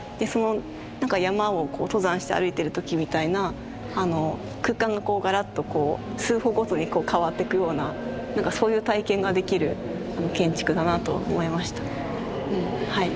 なんか山を登山して歩いている時みたいな空間がこうガラッとこう数歩ごとに変わっていくようなそういう体験ができる建築だなと思いました。